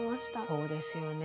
そうですよね。